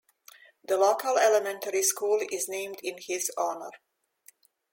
The local elementary school is named in his honor.